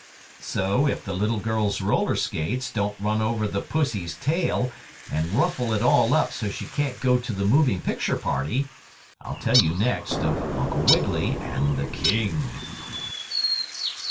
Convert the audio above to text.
So if the little girl's roller skates don't run over the pussy's tail and ruffle it all up so she can't go to the moving picture party, I'll tell you next of Uncle Wiggily and the King.